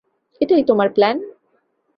এটাই তোমার প্ল্যান?